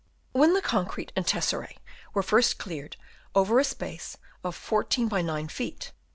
When the concrete and tesserae were first cleared over a space of 14 by 9 ft.